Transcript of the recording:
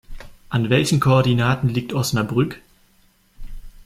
An welchen Koordinaten liegt Osnabrück?